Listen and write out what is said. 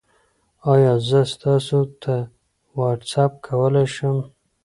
ایا زه تاسو ته واټساپ کولی شم؟